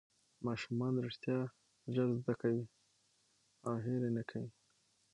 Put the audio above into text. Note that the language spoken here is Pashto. ماشومان رښتیا ژر زده کوي او هېر یې نه کوي